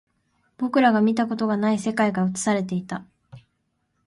僕らが見たことがない世界が映されていた